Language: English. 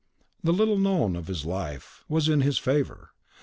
The little known of his life was in his favour.